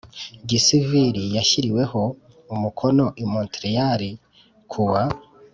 Gisivili yashyiriweho umukono i Montreal kuwa